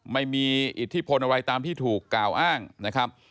ไม่มีอิทธิพลอะไรตามที่ถูกกล่าวอ้างนะครับ